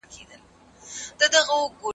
زه اوږده وخت پوښتنه کوم؟